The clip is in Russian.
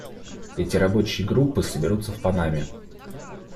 Эти рабочие группы соберутся в Панаме.